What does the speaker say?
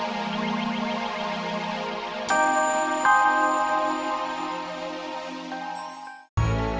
terima kasih pak